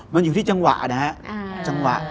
มันอยู่ที่จังหวะนะฮะ